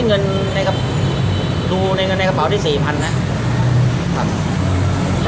เงินดูเงินในกระเป๋าที่๔๐๐๐บาท